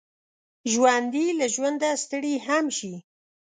ژوندي له ژونده ستړي هم شي